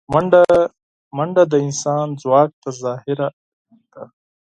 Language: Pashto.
منډه د انسان د ځواک تظاهره ده